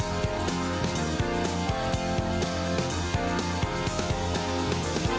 สวัสดีค่ะ